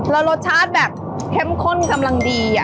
และรสชาติแบบเข้มข้นสำหรับดี